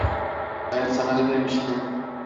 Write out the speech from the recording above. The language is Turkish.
Ben sana ne demiştim?